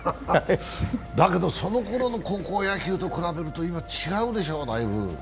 だけど、その頃の高校野球と比べると今、だいぶ違うでしょう？